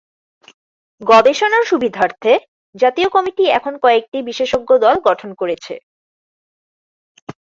গবেষণার সুবিধার্থে জাতীয় কমিটি এখন কয়েকটি বিশেষজ্ঞ দল গঠন করেছে।